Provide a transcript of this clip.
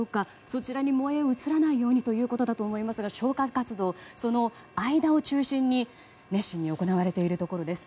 そちらに燃え移らないようにということだと思いますが消火活動、その間を中心に行われているところです。